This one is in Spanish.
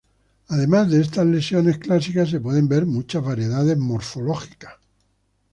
Además de estas lesiones clásicas, se pueden ver muchas variedades morfológicas.